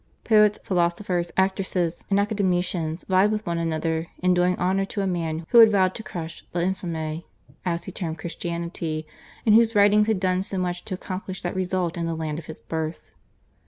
Poets, philosophers, actresses, and academicians vied with one another in doing honour to a man who had vowed to crush /L'Infame/, as he termed Christianity, and whose writings had done so much to accomplish that result in the land of his birth.